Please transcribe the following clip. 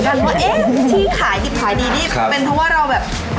แต่ว่าไปตรงแอบยืนอยู่แล้วสายตามเหลือบละครับ